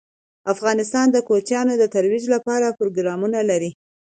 افغانستان د کوچیان د ترویج لپاره پروګرامونه لري.